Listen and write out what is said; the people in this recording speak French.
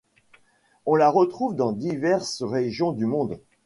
On la retrouve dans diverses régions du monde.